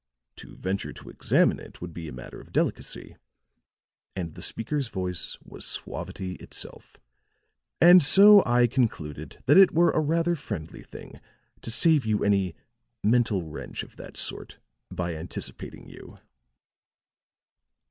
To venture to examine it would be a matter of delicacy," and the speaker's voice was suavity itself, "and so I concluded that it were a rather friendly thing to save you any mental wrench of that sort by anticipating you."